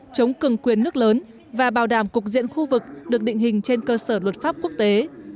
chống cường quyền nước lớn và bảo đảm cục diện khu vực được định hình trên cơ sở luật pháp quốc tế